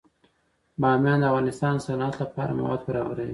بامیان د افغانستان د صنعت لپاره مواد برابروي.